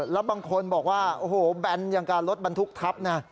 แล้วบางคนบอกว่าโอ้โฮแบรนด์อย่างการลดบรรทุกทัพน่ะ